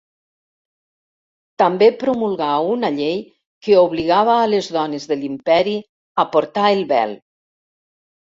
També promulgà una llei que obligava a les dones de l'Imperi a portar el vel.